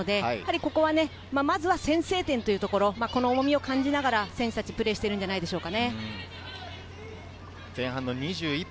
ここはまず先制点というところ、この重みを感じながら選手たちはプレーしているのではないでしょうか。